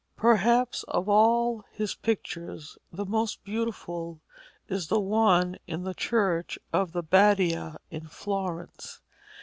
Perhaps of all his pictures the most beautiful is one in the church of the Badia in Florence.